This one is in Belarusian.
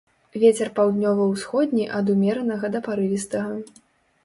Вецер паўднёва-ўсходні ад умеранага да парывістага.